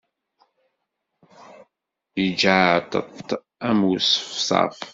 Yejjaɛṭet am uṣefṣaf.